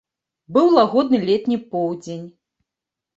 Быў лагодны летні поўдзень.